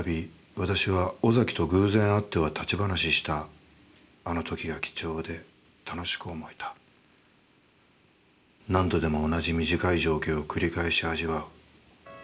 私は尾崎と偶然会っては立ち話したあのときが貴重で楽しく思えた、何度でも同じ短い情景を繰り返し味わう。